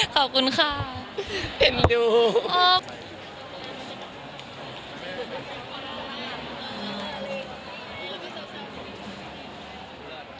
ขอบคุณค่ะขอบคุณค่ะ